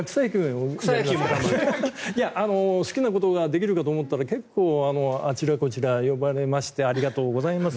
好きなことができるかと思ったら結構、あちらこちら呼ばれましてありがとうございます。